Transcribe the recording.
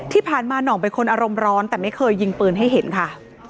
ที่ผ่านมาหน่องเป็นคนอารมณ์ร้อนแต่ไม่เคยยิงปืนให้เห็นค่ะ